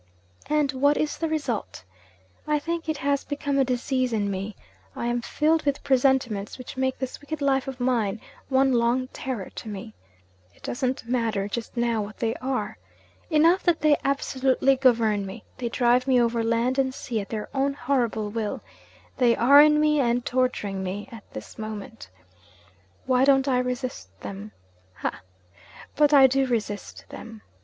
And what is the result? I think it has become a disease in me. I am filled with presentiments which make this wicked life of mine one long terror to me. It doesn't matter, just now, what they are. Enough that they absolutely govern me they drive me over land and sea at their own horrible will; they are in me, and torturing me, at this moment! Why don't I resist them? Ha! but I do resist them.